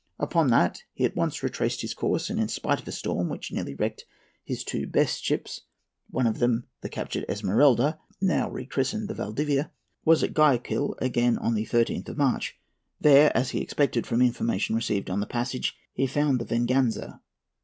Upon that he at once retraced his course, and, in spite of a storm which nearly wrecked his two best ships, one of them being the captured Esmeralda, now christened the Valdivia, was at Guayaquil again on the 13th of March. There, as he expected, from information received on the passage, he found the _Venganza.